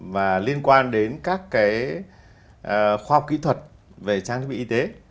và liên quan đến các cái khoa học kỹ thuật về trang thiết bị y tế